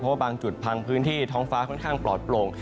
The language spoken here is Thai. เพราะว่าบางจุดบางพื้นที่ท้องฟ้าค่อนข้างปลอดโปร่ง